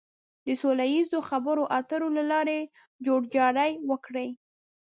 د سوله ييزو خبرو اترو له لارې جوړجاړی وکړي.